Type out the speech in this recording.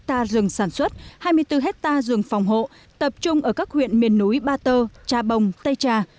hai mươi bốn ha rừng sản xuất hai mươi bốn ha rừng phòng hộ tập trung ở các huyện miền núi ba tơ cha bồng tây trà